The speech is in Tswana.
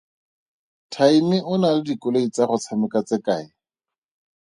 Tiny o na le dikoloi tsa go tshameka tse kae?